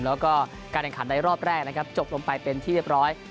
แล้วก็การแข่งขันในรอบแรกนะครับจบลงไปเป็นที่เรียบร้อย